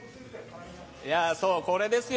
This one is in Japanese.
そう、これですよ